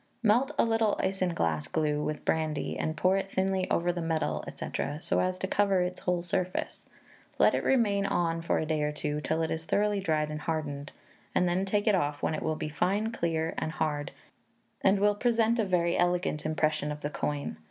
Melt a little isinglass glue with brandy, and pour it thinly over the medal, &c., so as to cover its whole surface; let it remain on for a day or two, till it has thoroughly dried and hardened, and then take it off, when it will be fine, clear, and hard, and will present a very elegant impression of the coin.